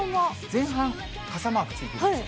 前半、傘マークついてます。